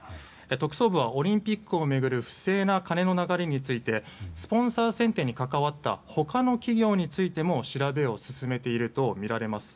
特捜部はオリンピックを巡る不正な金の流れについてスポンサー選定に関わった他の企業についても調べを進めているとみられます。